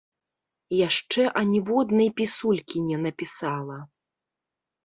Яшчэ аніводнай пісулькі не напісала.